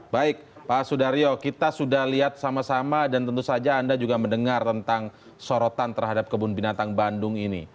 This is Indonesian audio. baik pak sudaryo kita sudah lihat sama sama dan tentu saja anda juga mendengar tentang sorotan terhadap kebun binatang bandung ini